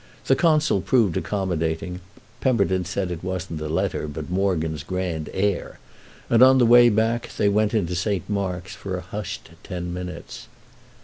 The Consul proved accommodating—Pemberton said it wasn't the letter, but Morgan's grand air—and on their way back they went into Saint Mark's for a hushed ten minutes.